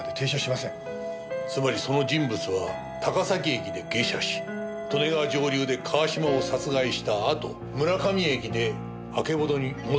つまりその人物は高崎駅で下車し利根川上流で川島を殺害したあと村上駅であけぼのに戻ったという事になる。